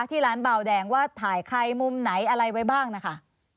ที่ร้านเบาแดงว่าถ่ายใครมุมไหนอะไรไว้บ้างนะคะ